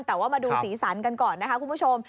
แต่ว่ามาดูสีสันกันก่อนนะคะคุณผู้ชม